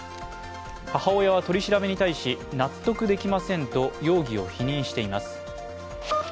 母親は取り調べに対し、納得できませんと容疑を否認しています。